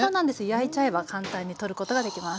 焼いちゃえば簡単に取ることができます。